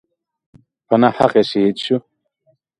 په ناحقه شهید شو.